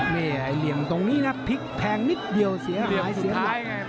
นี่ไอ้เหลี่ยมตรงนี้นะพลิกแทงนิดเดียวเสียหายเสียหายไง